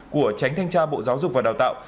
của tránh thanh tra bộ giáo dục và đào tạo